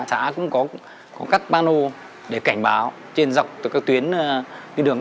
xã cũng có các pano để cảnh báo trên dọc từ các tuyến đi đường